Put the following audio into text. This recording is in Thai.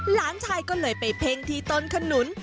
หลานชายก็เลยไปเพ่งที่ต้นขนุน